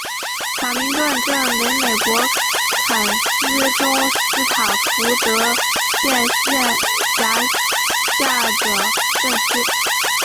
法明顿镇区为美国堪萨斯州斯塔福德县辖下的镇区。